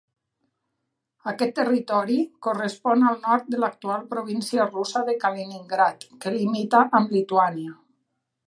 Aquest territori correspon al nord de l'actual província russa de Kaliningrad, que limita amb Lituània.